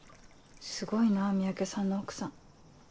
すごいな三宅さんの奥さん。